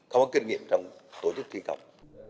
không có kinh nghiệm trong tổ chức thi công